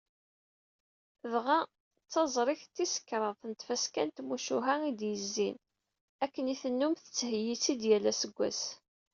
Dɣa d taẓrigt tis kraḍet n tfaska n tmucuha i d-yezzin, akken i tennum tettheyyi-tt-id yal aseggas.